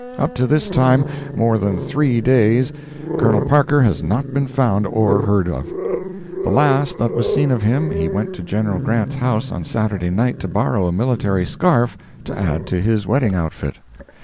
Up to this time, more than three days, Col. Parker has not been found or heard of. The last that was seen of him, he went to Gen. Grant's house on Saturday night to borrow a military scarf to add to his wedding outfit.